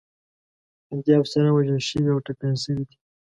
هندي افسران وژل شوي او ټپیان شوي دي.